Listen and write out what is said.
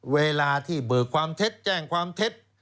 เวลาที่เบิกความเท็จแจ้งความเท็จ